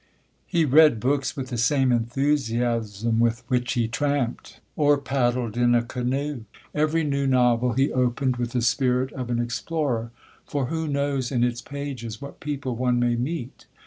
He read books with the same enthusiasm with which he tramped, or paddled in a canoe; every new novel he opened with the spirit of an explorer, for who knows in its pages what people one may meet?